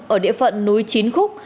ở địa phận núi chín khúc